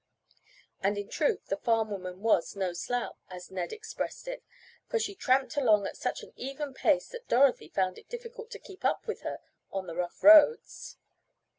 And in truth the farm woman was "no slouch," as Ned expressed it, for she tramped along at such an even pace that Dorothy found it difficult to keep up with her on the rough roads.